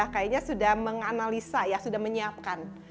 kayaknya sudah menganalisa ya sudah menyiapkan